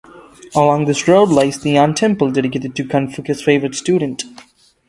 Along this road lies the Yan Temple, dedicated to Confucius' favorite student.